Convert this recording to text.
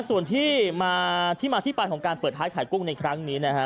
ส่วนที่มาที่มาที่ไปของการเปิดท้ายขายกุ้งในครั้งนี้นะฮะ